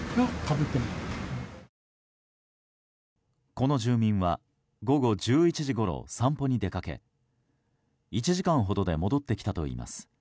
この住民は午後１１時ごろ、散歩に出かけ１時間ほどで戻ってきたといいます。